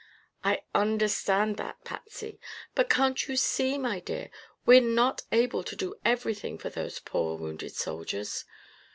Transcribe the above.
"I understand that, Patsy. But can't you see, my dear, that we're not able to do everything for those poor wounded soldiers?